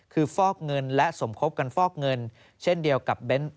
คือฟอกเงินและสมคบกันฟอกเงินเช่นเดียวกับเบ้น